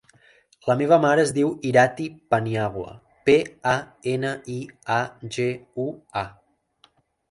La meva mare es diu Irati Paniagua: pe, a, ena, i, a, ge, u, a.